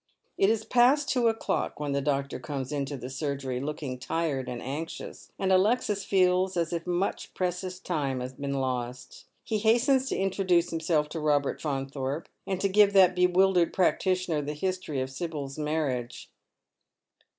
It is past two o'clock when the doctor comes into the surgery looking tired and anxious, and Alexis feels as if much precious time had been lost. He hastens to introduce himself to Robert Faunthorpe, and to give that bewildered practitioner the history of Sibyl's marriage.